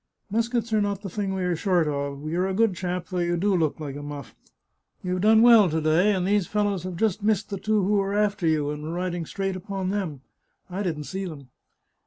" Muskets are not the thing we are short of. You're a good chap, though you do look like a muflf. You've done well to day, and these fellows have just missed the two who were after you, and were riding straight upon them. I didn't see them.